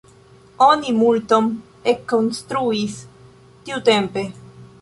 Oni multon ekkonstruis tiutempe.